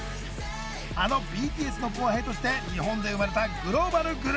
あのＢＴＳの後輩として日本で生まれたグローバルグループ。